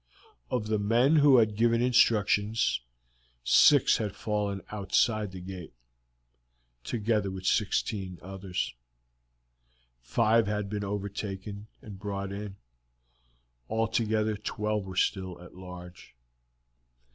Of the men who had given instructions six had fallen outside the gate, together with sixteen others; five had been overtaken and brought in; altogether, twelve were still at large.